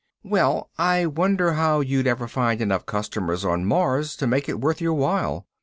"Well, I wonder how you'd ever find enough customers on Mars to make it worth your while."